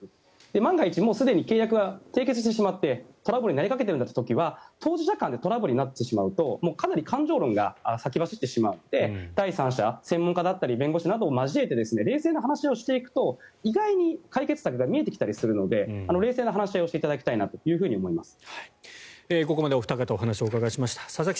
万が一契約が締結してしまってトラブルになりかけている時は当事者間でトラブルになった時はかなり感情論が先走ってしまって第三者専門家だったり弁護士を交えて冷静な話し合いをしていくと意外に解決策が見えてきたりするので冷静な話し合いをしていただきたいなと思います。